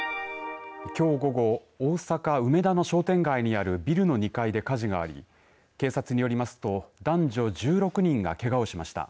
きょう午後大阪、梅田の商店街にあるビルの２階で火事があり警察によりますと男女１６人がけがをしました。